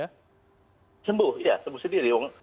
sembuh ya sembuh sendiri